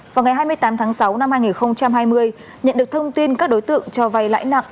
vào ngày hai mươi tám tháng sáu năm hai nghìn hai mươi nhận được thông tin các đối tượng cho vay lãi nặng